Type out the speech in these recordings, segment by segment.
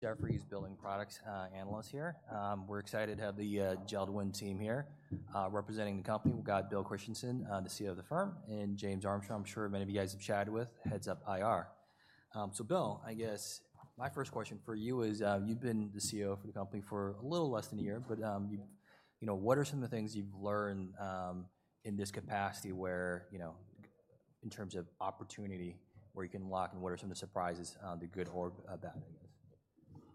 Jefferies Building Products analyst here. We're excited to have the JELD-WEN team here. Representing the company, we've got Bill Christensen, the CEO of the firm, and James Armstrong, I'm sure many of you guys have chatted with, heads of IR. So Bill, I guess my first question for you is, you've been the CEO for the company for a little less than a year, but, you, you know, what are some of the things you've learned, in this capacity where, you know, in terms of opportunity, where you can lock and what are some of the surprises, the good or, bad, I guess? Yeah.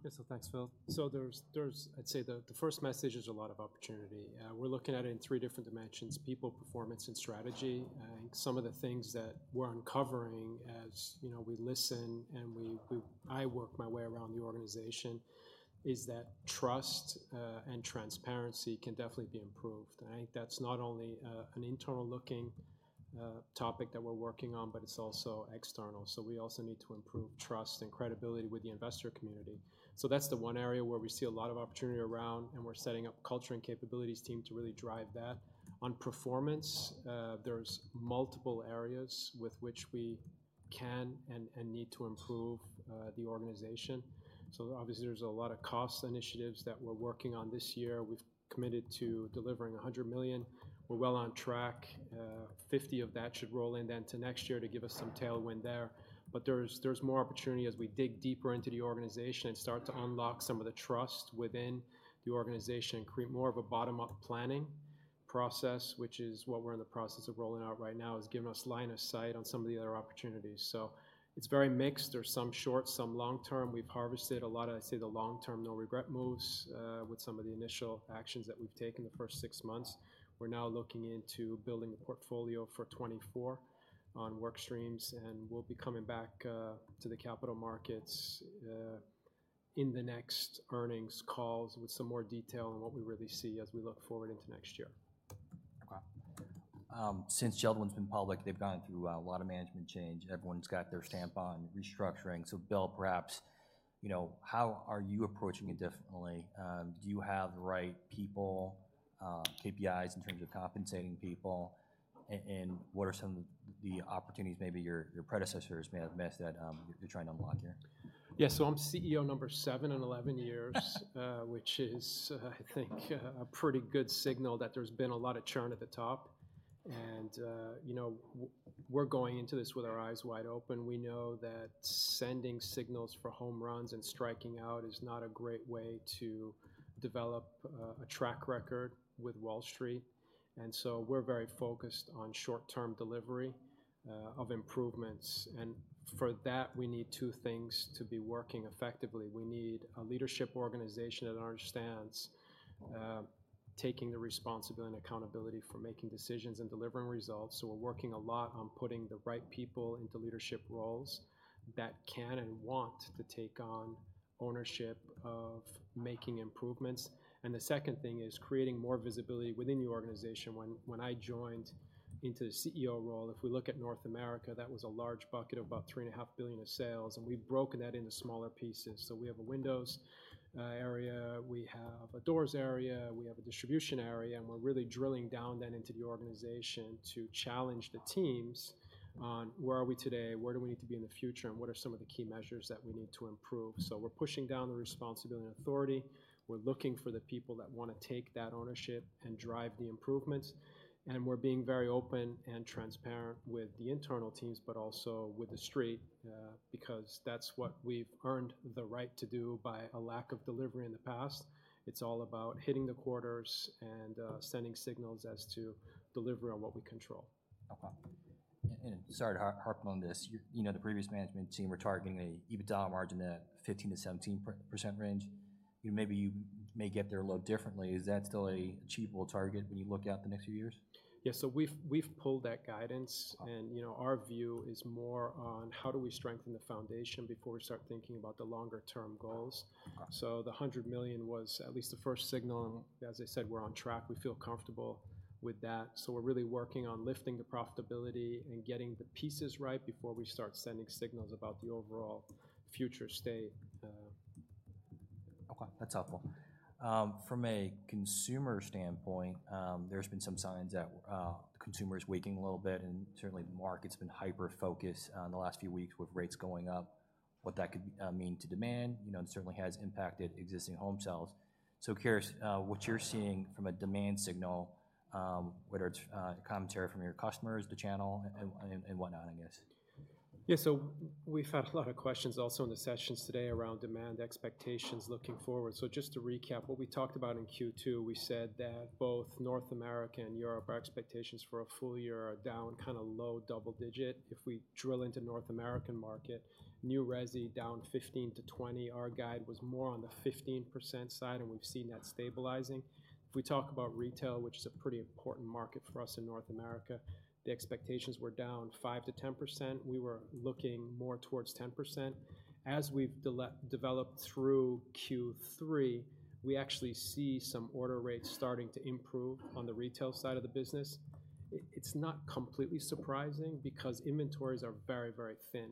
So thanks, Phil. So there's a lot of opportunity. We're looking at it in three different dimensions: people, performance, and strategy. I think some of the things that we're uncovering as, you know, we listen and I work my way around the organization, is that trust and transparency can definitely be improved. I think that's not only an internal-looking topic that we're working on, but it's also external. So we also need to improve trust and credibility with the investor community. So that's the one area where we see a lot of opportunity around, and we're setting up Culture and Capabilities team to really drive that. On performance, there's multiple areas with which we can and need to improve the organization. So obviously, there's a lot of cost initiatives that we're working on this year. We've committed to delivering $100 million. We're well on track. Fifty of that should roll in then to next year to give us some tailwind there. But there's, there's more opportunity as we dig deeper into the organization and start to unlock some of the trust within the organization and create more of a bottom-up planning process, which is what we're in the process of rolling out right now, is giving us line of sight on some of the other opportunities. So it's very mixed. There's some short, some long term. We've harvested a lot of, I'd say, the long-term, no-regret moves, with some of the initial actions that we've taken the first six months. We're now looking into building a portfolio for 2024 on work streams, and we'll be coming back to the capital markets in the next earnings calls with some more detail on what we really see as we look forward into next year. Okay. Since JELD-WEN's been public, they've gone through a lot of management change. Everyone's got their stamp on restructuring. So Bill, perhaps, you know, how are you approaching it differently? Do you have the right people, KPIs in terms of compensating people? And what are some of the opportunities maybe your predecessors may have missed that you're trying to unlock here? Yeah. So I'm CEO number 7 in 11 years, which is, I think, a pretty good signal that there's been a lot of churn at the top. And, you know, we're going into this with our eyes wide open. We know that sending signals for home runs and striking out is not a great way to develop a track record with Wall Street, and so we're very focused on short-term delivery of improvements. And for that, we need two things to be working effectively. We need a leadership organization that understands taking the responsibility and accountability for making decisions and delivering results. So we're working a lot on putting the right people into leadership roles that can and want to take on ownership of making improvements. And the second thing is creating more visibility within the organization. When I joined into the CEO role, if we look at North America, that was a large bucket of about $3.5 billion of sales, and we've broken that into smaller pieces. So we have a windows area, we have a doors area, we have a distribution area, and we're really drilling down then into the organization to challenge the teams on where are we today, where do we need to be in the future, and what are some of the key measures that we need to improve? So we're pushing down the responsibility and authority. We're looking for the people that wanna take that ownership and drive the improvements, and we're being very open and transparent with the internal teams, but also with the street, because that's what we've earned the right to do by a lack of delivery in the past. It's all about hitting the quarters and sending signals as to delivery on what we control. Okay. Sorry to harp on this. You know, the previous management team were targeting an EBITDA margin at 15%-17% range. You know, maybe you may get there a little differently. Is that still an achievable target when you look out the next few years? Yeah, so we've pulled that guidance- Okay. You know, our view is more on how do we strengthen the foundation before we start thinking about the longer-term goals. Okay. So the $100 million was at least the first signal, and as I said, we're on track. We feel comfortable with that, so we're really working on lifting the profitability and getting the pieces right before we start sending signals about the overall future state. Okay, that's helpful. From a consumer standpoint, there's been some signs that the consumer is waking a little bit, and certainly the market's been hyper-focused on the last few weeks with rates going up, what that could mean to demand. You know, it certainly has impacted existing home sales. So curious what you're seeing from a demand signal, whether it's commentary from your customers, the channel, and whatnot, I guess. Yeah. So we've had a lot of questions also in the sessions today around demand expectations looking forward. So just to recap what we talked about in Q2, we said that both North America and Europe, our expectations for a full year are down kind of low double digit. If we drill into North American market, New resi down 15%-20%. Our guide was more on the 15% side, and we've seen that stabilizing. If we talk about retail, which is a pretty important market for us in North America, the expectations were down 5%-10%. We were looking more towards 10%. As we've developed through Q3, we actually see some order rates starting to improve on the retail side of the business. It's not completely surprising because inventories are very, very thin,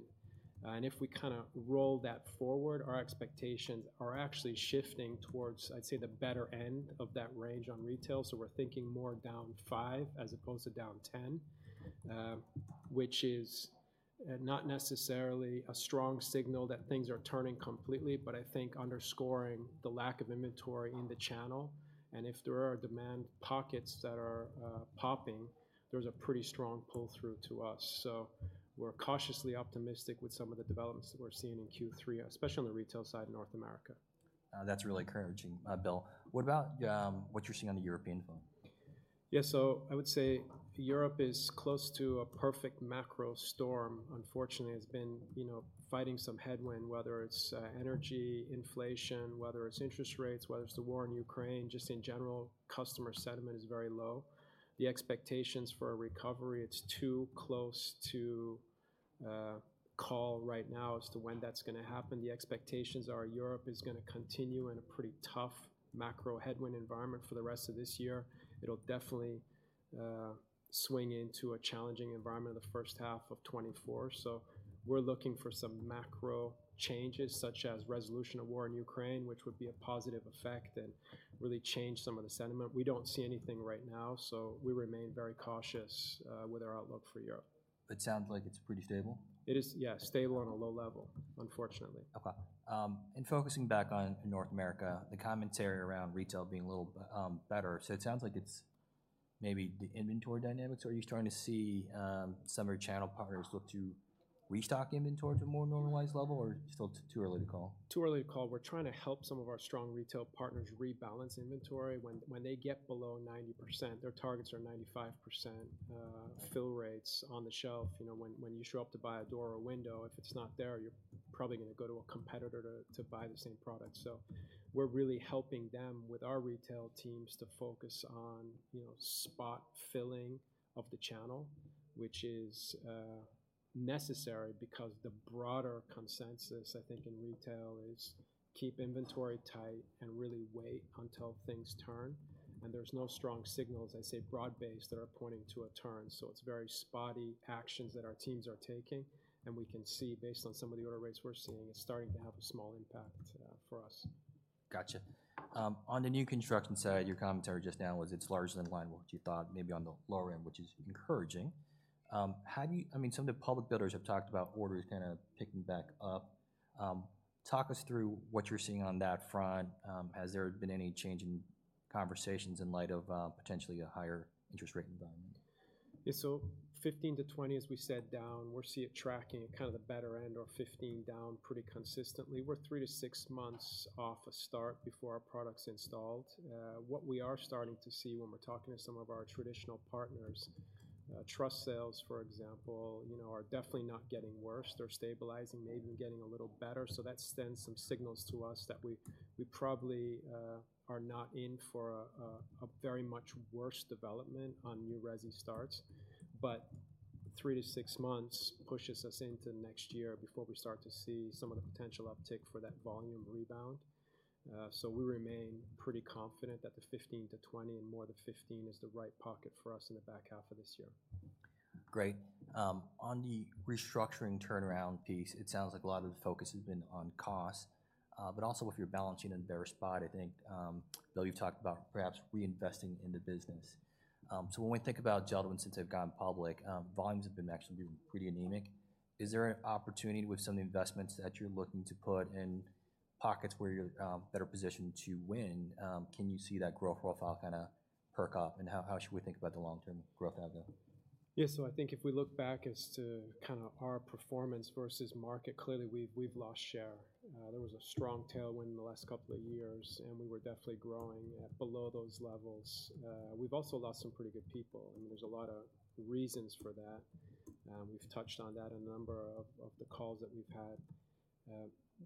and if we kinda roll that forward, our expectations are actually shifting towards, I'd say, the better end of that range on retail. So we're thinking more down 5 as opposed to down 10, which is not necessarily a strong signal that things are turning completely, but I think underscoring the lack of inventory in the channel, and if there are demand pockets that are popping, there's a pretty strong pull-through to us. So we're cautiously optimistic with some of the developments that we're seeing in Q3, especially on the retail side in North America. That's really encouraging, Bill. What about what you're seeing on the European front?... Yeah, so I would say Europe is close to a perfect macro storm. Unfortunately, it's been, you know, fighting some headwind, whether it's energy, inflation, whether it's interest rates, whether it's the war in Ukraine. Just in general, customer sentiment is very low. The expectations for a recovery, it's too close to call right now as to when that's gonna happen. The expectations are Europe is gonna continue in a pretty tough macro headwind environment for the rest of this year. It'll definitely swing into a challenging environment in the first half of 2024. So we're looking for some macro changes, such as resolution of war in Ukraine, which would be a positive effect and really change some of the sentiment. We don't see anything right now, so we remain very cautious with our outlook for Europe. It sounds like it's pretty stable? It is, yeah, stable on a low level, unfortunately. Okay. Focusing back on North America, the commentary around retail being a little better. So it sounds like it's maybe the inventory dynamics, or are you starting to see some of your channel partners look to restock inventory to a more normalized level, or still too early to call? Too early to call. We're trying to help some of our strong retail partners rebalance inventory. When they get below 90%, their targets are 95% fill rates on the shelf. You know, when you show up to buy a door or window, if it's not there, you're probably gonna go to a competitor to buy the same product. So we're really helping them with our retail teams to focus on, you know, spot filling of the channel, which is necessary because the broader consensus, I think, in retail is keep inventory tight and really wait until things turn, and there's no strong signals, I'd say broad-based, that are pointing to a turn. It's very spotty actions that our teams are taking, and we can see, based on some of the order rates we're seeing, it's starting to have a small impact for us. Gotcha. On the new construction side, your commentary just now was it's largely in line with what you thought, maybe on the lower end, which is encouraging. How do you—I mean, some of the public builders have talked about orders kind of picking back up. Talk us through what you're seeing on that front. Has there been any change in conversations in light of, potentially a higher interest rate environment? Yeah, so 15-20, as we said, down. We're seeing it tracking at kind of the better end of 15 down pretty consistently. We're 3-6 months off a start before our product's installed. What we are starting to see when we're talking to some of our traditional partners, truss sales, for example, you know, are definitely not getting worse. They're stabilizing, maybe even getting a little better. So that sends some signals to us that we probably are not in for a very much worse development on new resi starts. But 3-6 months pushes us into next year before we start to see some of the potential uptick for that volume rebound. So we remain pretty confident that the 15-20 and more the 15 is the right pocket for us in the back half of this year. Great. On the restructuring turnaround piece, it sounds like a lot of the focus has been on cost, but also if you're balancing in bare spot, I think, Bill, you've talked about perhaps reinvesting in the business. So when we think about JELD-WEN since they've gone public, volumes have been actually pretty anemic. Is there an opportunity with some of the investments that you're looking to put in pockets where you're, better positioned to win? Can you see that growth profile kinda perk up, and how, how should we think about the long-term growth out there? Yeah, so I think if we look back as to kinda our performance versus market, clearly we've lost share. There was a strong tailwind in the last couple of years, and we were definitely growing at below those levels. We've also lost some pretty good people, and there's a lot of reasons for that. We've touched on that a number of the calls that we've had.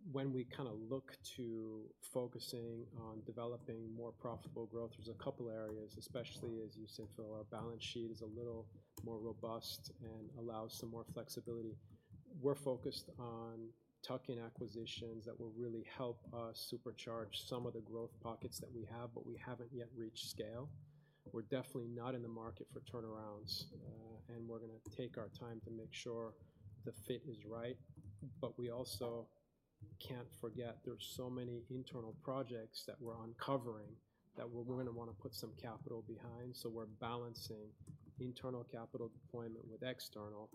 When we kinda look to focusing on developing more profitable growth, there's a couple areas, especially as you said, Phil, our balance sheet is a little more robust and allows some more flexibility. We're focused on tuck-in acquisitions that will really help us supercharge some of the growth pockets that we have, but we haven't yet reached scale. We're definitely not in the market for turnarounds, and we're gonna take our time to make sure the fit is right. But we also can't forget there's so many internal projects that we're uncovering that we're gonna wanna put some capital behind. So we're balancing internal capital deployment with external.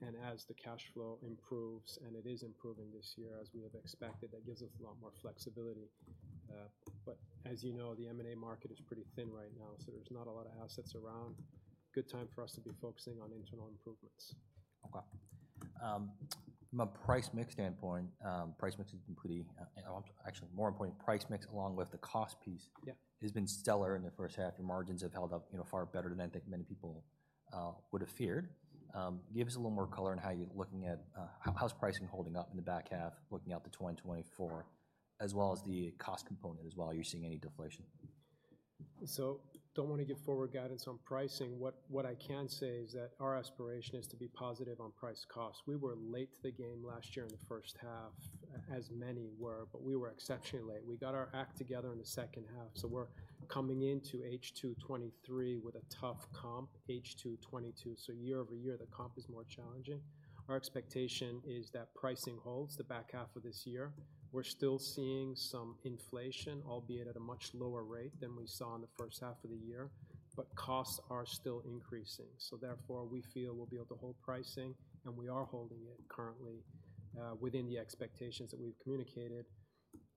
And as the cash flow improves, and it is improving this year as we have expected, that gives us a lot more flexibility. But as you know, the M&A market is pretty thin right now, so there's not a lot of assets around. Good time for us to be focusing on internal improvements. Okay. From a price mix standpoint, price mix has been pretty. Actually, more important, price mix, along with the cost piece- Yeah ... has been stellar in the first half, and margins have held up, you know, far better than I think many people would have feared. Give us a little more color on how you're looking at, how, how's pricing holding up in the back half, looking out to 2024, as well as the cost component as well. Are you seeing any deflation? So don't want to give forward guidance on pricing. What I can say is that our aspiration is to be positive on price costs. We were late to the game last year in the first half, as many were, but we were exceptionally late. We got our act together in the second half, so we're coming into H2 2023 with a tough comp, H2 2022. So year over year, the comp is more challenging. Our expectation is that pricing holds the back half of this year. We're still seeing some inflation, albeit at a much lower rate than we saw in the first half of the year, but costs are still increasing. So therefore, we feel we'll be able to hold pricing, and we are holding it currently within the expectations that we've communicated.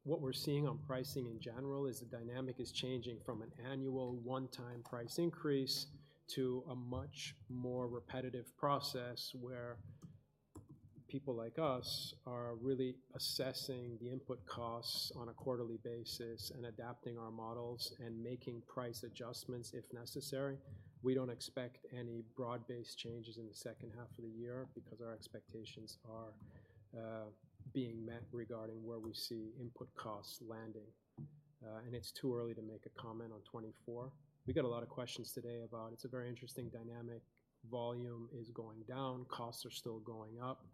What we're seeing on pricing in general is the dynamic is changing from an annual one-time price increase to a much more repetitive process, where people like us are really assessing the input costs on a quarterly basis and adapting our models and making price adjustments if necessary. We don't expect any broad-based changes in the second half of the year because our expectations are being met regarding where we see input costs landing. And it's too early to make a comment on 2024. We got a lot of questions today about it's a very interesting dynamic. Volume is going down, costs are still going up,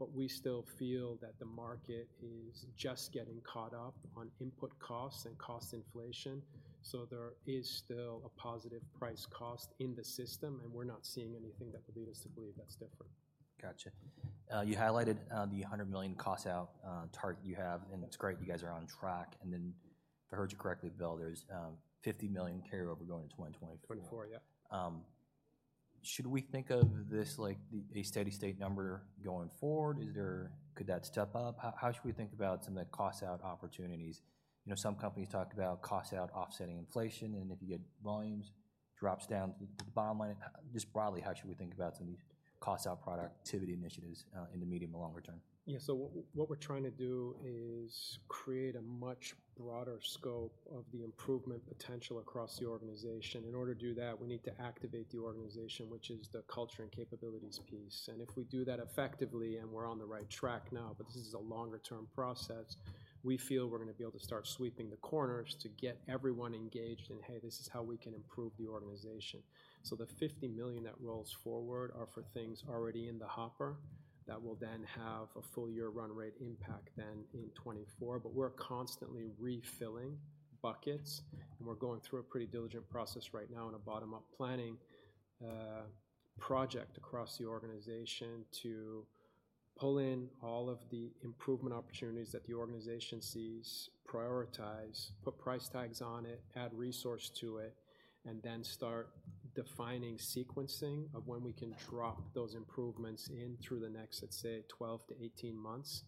but we still feel that the market is just getting caught up on input costs and cost inflation. So there is still a positive price cost in the system, and we're not seeing anything that would lead us to believe that's different. Gotcha. You highlighted the $100 million cost out target you have, and that's great. You guys are on track, and then if I heard you correctly, Bill, there's $50 million carryover going into 2024. 2024, yeah. Should we think of this like a steady state number going forward? Could that step up? How should we think about some of the cost out opportunities? You know, some companies talked about cost out offsetting inflation, and if you get volumes, drops down to the bottom line. Just broadly, how should we think about some of these cost out productivity initiatives in the medium and longer term? Yeah, so what, what we're trying to do is create a much broader scope of the improvement potential across the organization. In order to do that, we need to activate the organization, which is the culture and capabilities piece, and if we do that effectively, and we're on the right track now, but this is a longer-term process, we feel we're gonna be able to start sweeping the corners to get everyone engaged in, "Hey, this is how we can improve the organization." So the $50 million that rolls forward are for things already in the hopper. That will then have a full year run rate impact then in 2024. But we're constantly refilling buckets, and we're going through a pretty diligent process right now in a bottom-up planning project across the organization to pull in all of the improvement opportunities that the organization sees, prioritize, put price tags on it, add resource to it, and then start defining sequencing of when we can drop those improvements in through the next, let's say, 12-18 months.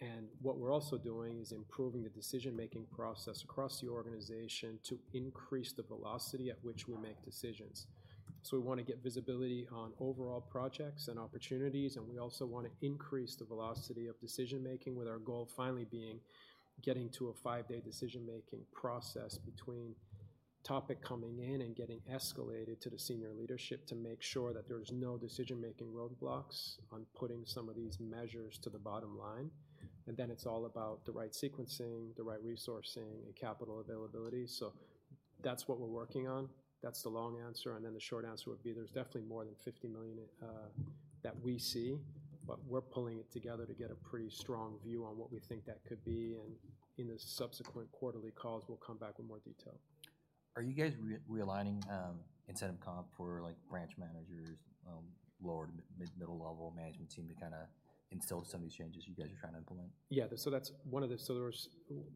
And what we're also doing is improving the decision-making process across the organization to increase the velocity at which we make decisions. So we want to get visibility on overall projects and opportunities, and we also want to increase the velocity of decision making, with our goal finally being getting to a five-day decision-making process between topic coming in and getting escalated to the senior leadership to make sure that there's no decision-making roadblocks on putting some of these measures to the bottom line. And then it's all about the right sequencing, the right resourcing, and capital availability. So that's what we're working on. That's the long answer, and then the short answer would be there's definitely more than $50 million that we see, but we're pulling it together to get a pretty strong view on what we think that could be, and in the subsequent quarterly calls, we'll come back with more detail. Are you guys realigning, like, incentive comp for branch managers, lower to middle-level management team to kinda instill some of these changes you guys are trying to implement? Yeah. So that's one of the—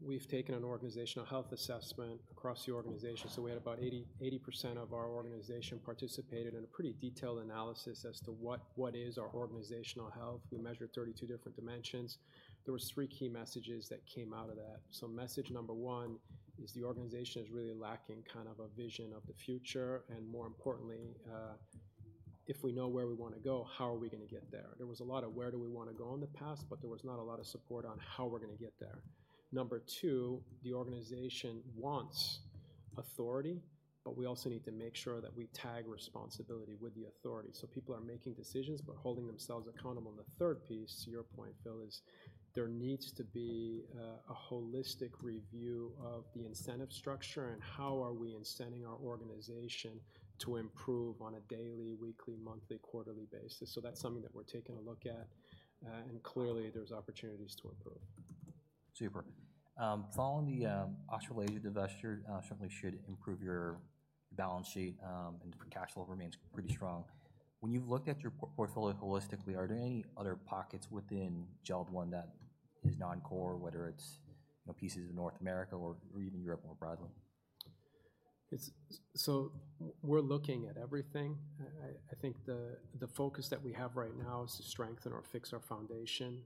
We've taken an organizational health assessment across the organization. So we had about 80% of our organization participated in a pretty detailed analysis as to what is our organizational health. We measured 32 different dimensions. There were three key messages that came out of that. So message number one is the organization is really lacking kind of a vision of the future, and more importantly, if we know where we wanna go, how are we gonna get there? There was a lot of where do we wanna go in the past, but there was not a lot of support on how we're gonna get there. Number two, the organization wants authority, but we also need to make sure that we tag responsibility with the authority, so people are making decisions but holding themselves accountable. And the third piece, to your point, Phil, is there needs to be a holistic review of the incentive structure and how are we incenting our organization to improve on a daily, weekly, monthly, quarterly basis. So that's something that we're taking a look at, and clearly, there's opportunities to improve. Super. Following the ordered divestiture, certainly should improve your balance sheet, and cash flow remains pretty strong. When you've looked at your portfolio holistically, are there any other pockets within JELD-WEN that is non-core, whether it's, you know, pieces of North America or, or even Europe, more broadly? So we're looking at everything. I think the focus that we have right now is to strengthen or fix our foundation,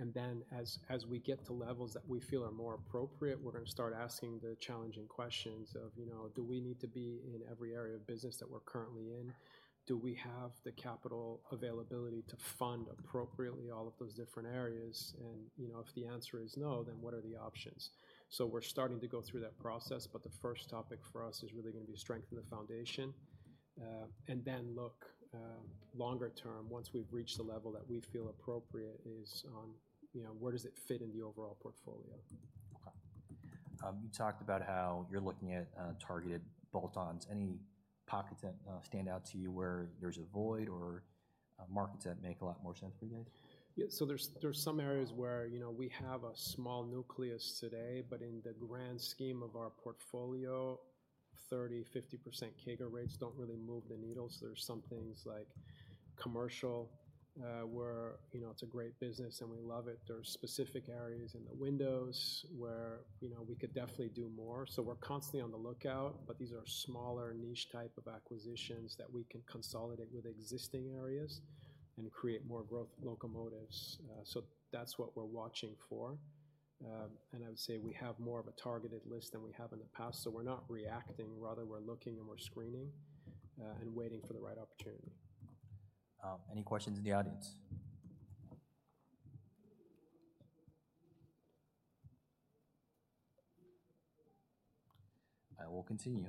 and then as we get to levels that we feel are more appropriate, we're gonna start asking the challenging questions of, you know, do we need to be in every area of business that we're currently in? Do we have the capital availability to fund appropriately all of those different areas? And, you know, if the answer is no, then what are the options? So we're starting to go through that process, but the first topic for us is really gonna be strengthen the foundation, and then look longer term, once we've reached the level that we feel appropriate is on, you know, where does it fit in the overall portfolio? Okay. You talked about how you're looking at targeted bolt-ons. Any pockets that stand out to you where there's a void or markets that make a lot more sense for you guys? Yeah, so there's some areas where, you know, we have a small nucleus today, but in the grand scheme of our portfolio, 30%-50% CAGR rates don't really move the needle, so there's some things like commercial, where, you know, it's a great business and we love it. There are specific areas in the windows where, you know, we could definitely do more. So we're constantly on the lookout, but these are smaller, niche type of acquisitions that we can consolidate with existing areas and create more growth locomotives. So that's what we're watching for. And I would say we have more of a targeted list than we have in the past, so we're not reacting. Rather, we're looking, and we're screening, and waiting for the right opportunity. Any questions in the audience? I will continue.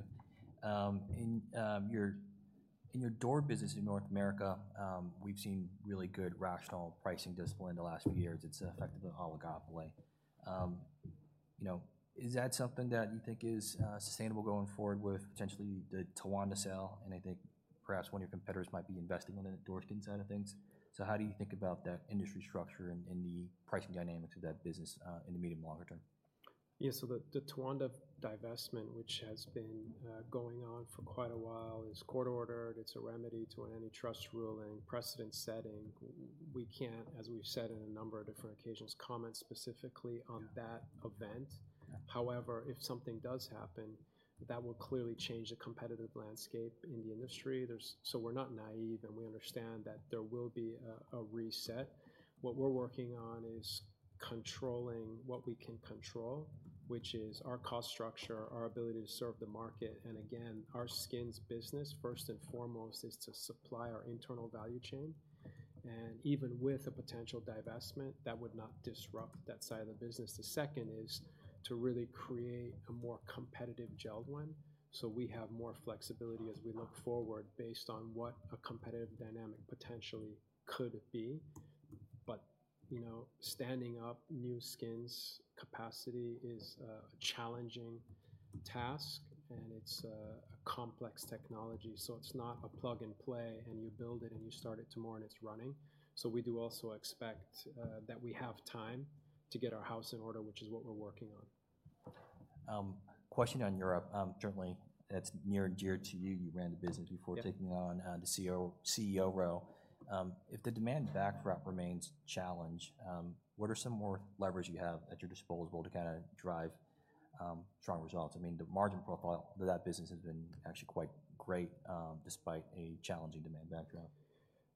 In your door business in North America, we've seen really good rational pricing discipline in the last few years. It's effectively an oligopoly. You know, is that something that you think is sustainable going forward with potentially the Towanda sale? And I think perhaps one of your competitors might be investing on the door skin side of things. So how do you think about that industry structure and the pricing dynamics of that business in the medium, longer term? Yeah. So the Towanda divestment, which has been going on for quite a while, is court-ordered. It's a remedy to an antitrust ruling, precedent-setting. We can't, as we've said in a number of different occasions, comment specifically on that event. Yeah. However, if something does happen, that will clearly change the competitive landscape in the industry. There's so we're not naive, and we understand that there will be a reset. What we're working on is controlling what we can control, which is our cost structure, our ability to serve the market, and again, our skins business, first and foremost, is to supply our internal value chain. And even with a potential divestment, that would not disrupt that side of the business. The second is to really create a more competitive JELD-WEN, so we have more flexibility as we look forward based on what a competitive dynamic potentially could be. But, you know, standing up new skins capacity is a challenging task, and it's a complex technology. So it's not a plug-and-play, and you build it, and you start it tomorrow, and it's running. So we do also expect that we have time to get our house in order, which is what we're working on. Question on Europe, certainly that's near and dear to you. You ran the business- Yeah. Before taking on the CEO role. If the demand backdrop remains challenged, what are some more leverage you have at your disposal to kinda drive strong results? I mean, the margin profile for that business has been actually quite great despite a challenging demand backdrop.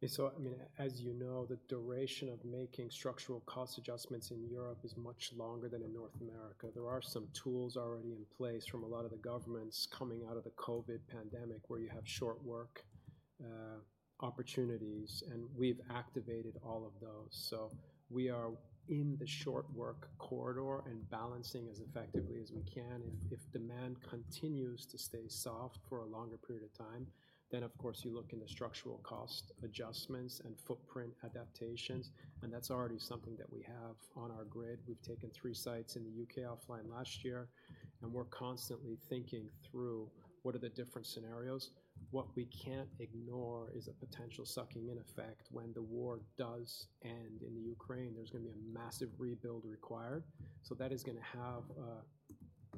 Yeah. So, I mean, as you know, the duration of making structural cost adjustments in Europe is much longer than in North America. There are some tools already in place from a lot of the governments coming out of the COVID pandemic, where you have Short Work opportunities, and we've activated all of those. So we are in the Short Work corridor and balancing as effectively as we can. If demand continues to stay soft for a longer period of time, then of course, you look in the structural cost adjustments and footprint adaptations, and that's already something that we have on our grid. We've taken three sites in the UK offline last year, and we're constantly thinking through what are the different scenarios. What we can't ignore is a potential sucking-in effect. When the war does end in the Ukraine, there's gonna be a massive rebuild required, so that is gonna have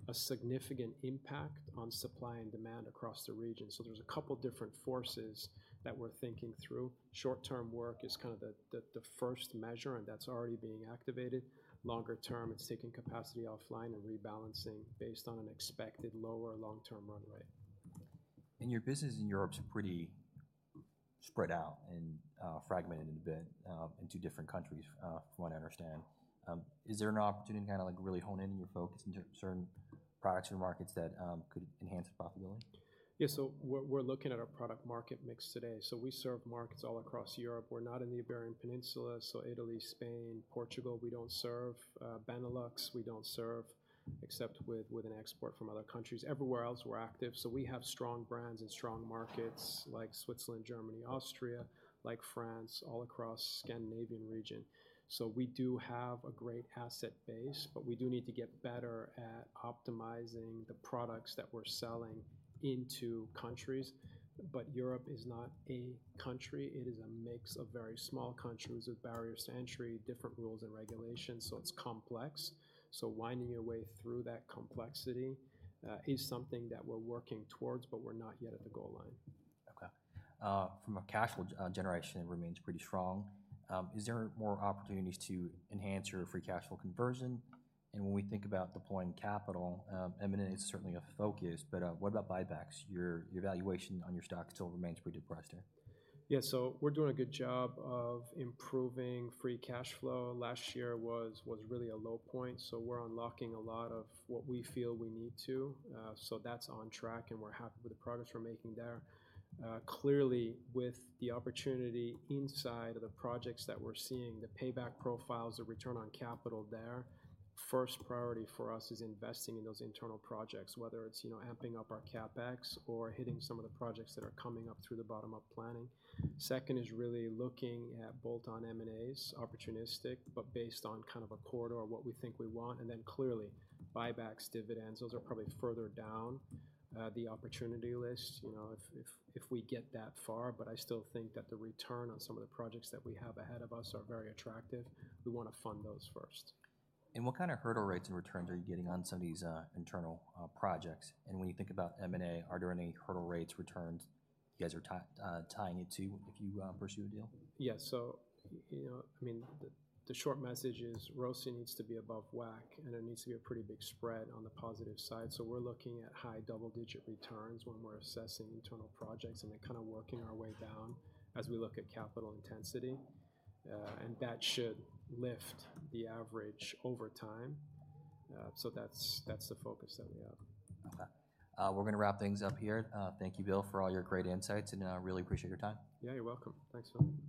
a significant impact on supply and demand across the region. So there's a couple different forces that we're thinking through. Short-term work is kind of the first measure, and that's already being activated. Longer term, it's taking capacity offline and rebalancing based on an expected lower long-term run rate. Your business in Europe is pretty spread out and fragmented a bit into different countries, from what I understand. Is there an opportunity to kinda, like, really hone in your focus into certain products or markets that could enhance profitability? Yeah. So we're, we're looking at our product market mix today. So we serve markets all across Europe. We're not in the Iberian Peninsula, so Italy, Spain, Portugal, we don't serve. Benelux, we don't serve, except with, with an export from other countries. Everywhere else, we're active. So we have strong brands and strong markets like Switzerland, Germany, Austria, like France, all across Scandinavia. So we do have a great asset base, but we do need to get better at optimizing the products that we're selling into countries. But Europe is not a country. It is a mix of very small countries with barriers to entry, different rules and regulations, so it's complex. So winding your way through that complexity is something that we're working towards, but we're not yet at the goal line. Okay. From a cash flow generation, it remains pretty strong. Is there more opportunities to enhance your free cash flow conversion? And when we think about deploying capital, M&A is certainly a focus, but, what about buybacks? Your, your valuation on your stock still remains pretty depressed here. Yeah. So we're doing a good job of improving free cash flow. Last year was really a low point, so we're unlocking a lot of what we feel we need to. So that's on track, and we're happy with the progress we're making there. Clearly, with the opportunity inside of the projects that we're seeing, the payback profiles, the return on capital there, first priority for us is investing in those internal projects, whether it's, you know, amping up our CapEx or hitting some of the projects that are coming up through the bottom-up planning. Second is really looking at bolt-on M&As, opportunistic, but based on kind of a corridor of what we think we want, and then clearly buybacks, dividends, those are probably further down, the opportunity list, you know, if we get that far. But I still think that the return on some of the projects that we have ahead of us are very attractive. We want to fund those first. What kind of hurdle rates and returns are you getting on some of these internal projects? And when you think about M&A, are there any hurdle rates, returns you guys are tying it to if you pursue a deal? Yeah. So, you know, I mean, the short message is ROIC needs to be above WACC, and it needs to be a pretty big spread on the positive side. So we're looking at high double-digit returns when we're assessing internal projects, and then kind of working our way down as we look at capital intensity. And that should lift the average over time. So that's the focus that we have. Okay. We're gonna wrap things up here. Thank you, Bill, for all your great insights, and I really appreciate your time. Yeah, you're welcome. Thanks, Phil.